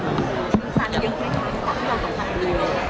สร้างสรรค์ยังไม่ได้ดูหรอครับพี่